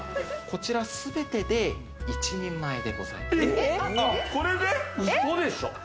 こちら全てで一人前でございます。